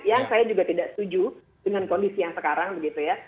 yang saya juga tidak setuju dengan kondisi yang sekarang begitu ya